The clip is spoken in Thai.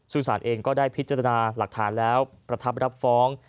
ซึ่งสารเองก็ได้พิจารณาหลักฐานแล้วประทับรับฟ้อง